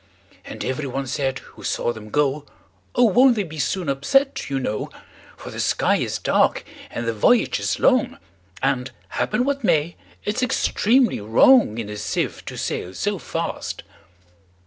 And every one said who saw them go,"Oh! won't they be soon upset, you know:For the sky is dark, and the voyage is long; And, happen what may, it 's extremely wrongIn a sieve to sail so fast."